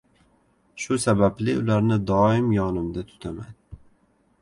Shu sababli ularni doim yonimda tutaman.